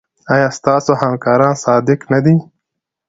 ایا ستاسو همکاران صادق نه دي؟